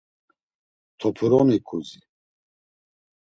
Topuroni ǩizi.